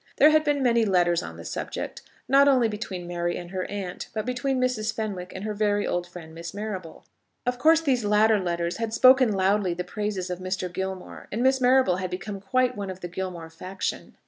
There had been many letters on the subject, not only between Mary and her aunt, but between Mrs. Fenwick and her very old friend Miss Marrable. Of course these latter letters had spoken loudly the praises of Mr. Gilmore, and Miss Marrable had become quite one of the Gilmore faction.